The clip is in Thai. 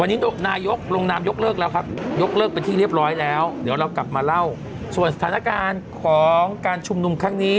วันนี้นายกลงนามยกเลิกแล้วครับยกเลิกเป็นที่เรียบร้อยแล้วเดี๋ยวเรากลับมาเล่าส่วนสถานการณ์ของการชุมนุมครั้งนี้